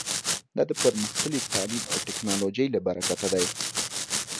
دا د پرمختللي تعلیم او ټکنالوژۍ له برکته دی